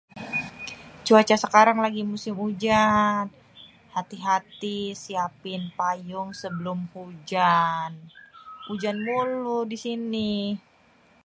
cuaca sêkarang lagi musim hujan hati-hati siapin payung sêbèlum hujan, hujan mulu di sini.